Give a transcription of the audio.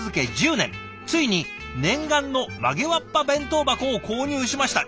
ついに念願の曲げわっぱ弁当箱を購入しました」。